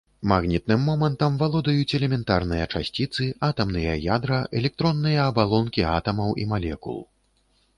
Магнітным момантам валодаюць элементарныя часціцы, атамныя ядра, электронныя абалонкі атамаў і малекул.